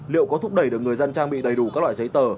liệu có thúc đẩy được người dân trang bị đầy đủ các loại giấy tờ